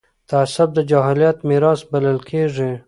تعصب د جاهلیت میراث بلل کېږي